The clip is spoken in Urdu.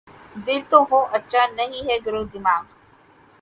دل تو ہو‘ اچھا‘ نہیں ہے گر دماغ